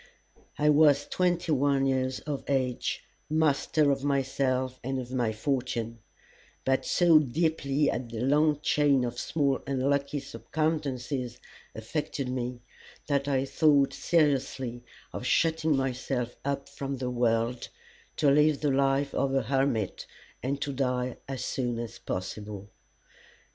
I was twenty one years of age, master of myself and of my fortune; but so deeply had the long chain of small unlucky circumstances affected me that I thought seriously of shutting myself up from the world to live the life of a hermit and to die as soon as possible.